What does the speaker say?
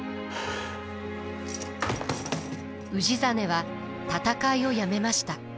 氏真は戦いをやめました。